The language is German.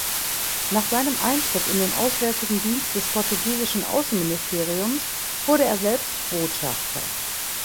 Nach seinem Eintritt in den Auswärtigen Dienst des portugiesischen Außenministeriums wurde er selbst Botschafter.